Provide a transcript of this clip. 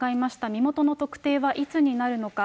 身元の特定はいつになるのか。